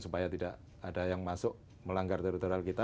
supaya tidak ada yang masuk melanggar teritorial kita